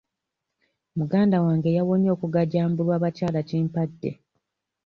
Muganda wange yawonye okugajambulwa bakyalakimpadde.